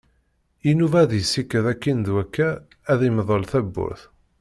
Inuba ad yessiked akkin d wakka ad yemdel tawwurt.